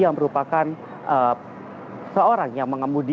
yang merupakan seorang yang mengemudi